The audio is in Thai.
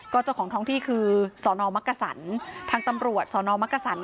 ก็เจ้าของท้องที่คือสอนอมักกระสรรทางตำรวจสอนอมักกระสรร